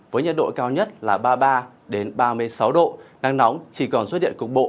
với nhiệt độ cao nhất là ba mươi ba ba mươi sáu độ nắng nóng chỉ còn xuất hiện cục bộ